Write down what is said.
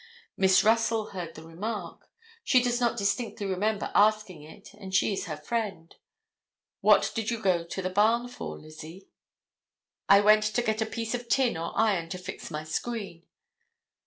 Miss Russell heard the remark. She does not distinctly remember asking it, and she is her friend: "What did you go to the barn for, Lizzie?" "I went to get a piece of tin or iron to fix my screen."